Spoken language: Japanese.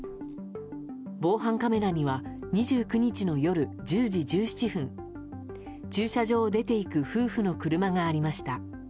防犯カメラには２９日の夜１０時１７分駐車場を出て行く夫婦の車がありました。